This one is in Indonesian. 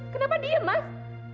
kenapa diam mas